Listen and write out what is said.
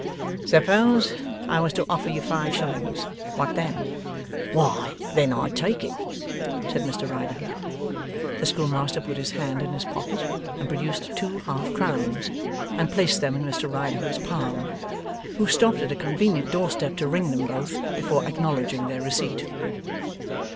'Suppose I was to offer you five shillings; what then?' 'Why, then, I'd take it,' said Mr Riderhood. The schoolmaster put his hand in his pocket, and produced two half crowns, and placed them in Mr Riderhood's palm: who stopped at a convenient doorstep to ring them both, before acknowledging their receipt.